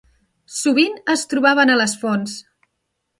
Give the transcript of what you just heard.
Sovint es trobaven a les fonts.